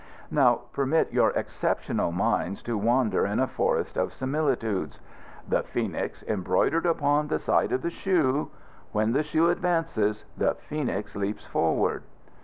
"Now permit your exceptional minds to wander in a forest of similitudes: 'The Phoenix embroidered upon the side of the shoe: When the shoe advances the Phoenix leaps forward.